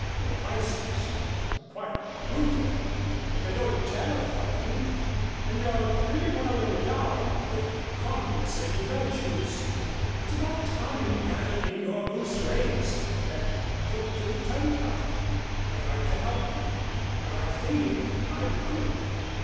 Your vices are quite brutal, but they don't terrify me and you're pretty well endowed with compensating virtues. It's about time you gathered in your loose reins and took to the turnpike. I'd like to help you and I think I could."